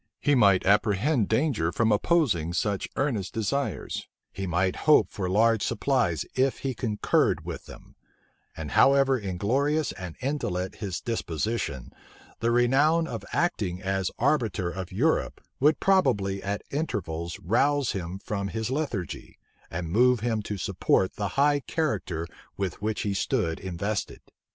He might apprehend danger from opposing such earnest desires: he might hope for large supplies if he concurred with them: and however inglorious and indolent his disposition, the renown of acting as arbiter of Europe would probably at intervals rouse him from his lethargy, and move him to support the high character with which he stood invested.